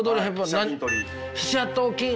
何？